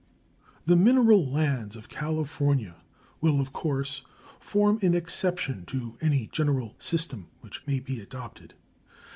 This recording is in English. The mineral lands of California will, of course, form an exception to any general system which may be adopted.